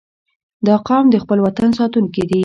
• دا قوم د خپل وطن ساتونکي دي.